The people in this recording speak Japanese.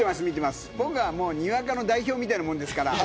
僕はにわかの代表みたいなもんですから。